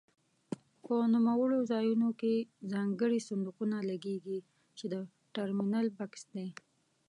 په نوموړو ځایونو کې ځانګړي صندوقونه لګېږي چې د ټرمینل بکس دی.